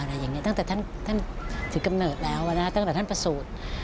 ตั้งแต่ท่านถึงกำเนิดแล้วนะตั้งแต่ท่านประสูจน์